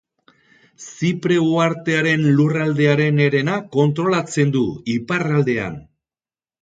Zipre uhartearen lurraldearen herena kontrolatzen du, iparraldean.